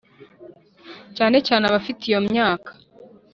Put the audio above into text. cyane cyane abafite iyo myaka